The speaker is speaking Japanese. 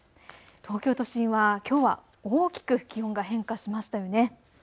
東京都心はきょうは大きく気温が変化しましたよね。